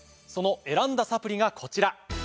その選んだサプリがこちら。